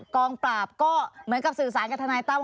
กองปราบก็เหมือนกับสื่อสารกับทนายตั้ม